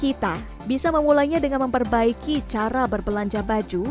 kita bisa memulainya dengan memperbaiki cara berbelanja baju